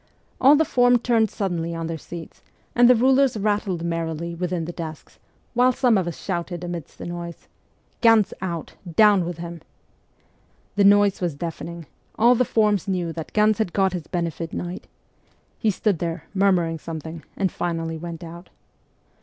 ... All the form turned suddenly on their seats, and the rulers rattled merrily within the desks, while some of us shouted amidst the noise, ' Ganz out ! Down with him !' The noise was deafening ; all the forms knew that Ganz had got his benefit night. He stood there, murmuring something, and finally went out.